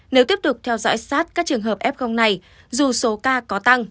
nếu tiếp tục theo dõi sát các trường hợp f này dù số ca có tăng